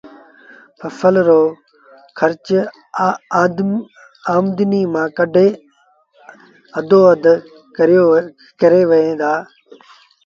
ڦسل رو کرچ آمدنيٚ مآݩ ڪٽي اڌو اڌ ڪريݩ دآ